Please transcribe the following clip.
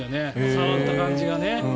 触った感じがね。